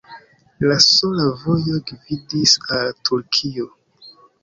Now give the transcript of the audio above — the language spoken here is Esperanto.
La sola vojo gvidis al Turkio.